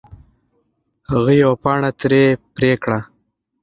هغه یوه پاڼه ترې پرې کړه.